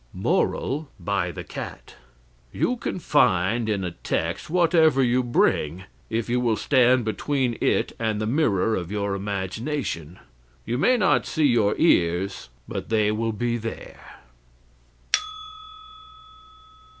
MORAL, BY THE CAT You can find in a text whatever you bring, if you will stand between it and the mirror of your imagination. You may not see your ears, but they will be there.